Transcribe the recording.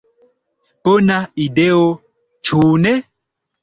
Bona ideo, ĉu ne?